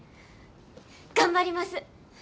頑張ります。